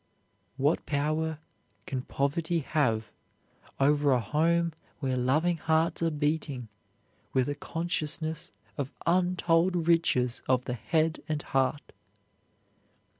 What power can poverty have over a home where loving hearts are beating with a consciousness of untold riches of the head and heart?